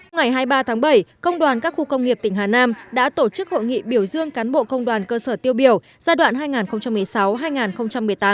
ngày hai mươi ba tháng bảy công đoàn các khu công nghiệp tỉnh hà nam đã tổ chức hội nghị biểu dương cán bộ công đoàn cơ sở tiêu biểu giai đoạn hai nghìn một mươi sáu hai nghìn một mươi tám